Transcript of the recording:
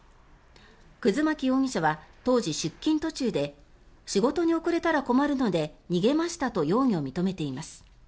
葛巻容疑者は当時、出勤途中で仕事に遅れたら困るので逃げましたと容疑を認めています。